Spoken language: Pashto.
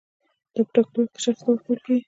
دا په ټاکلي وخت کې شخص ته ورکول کیږي.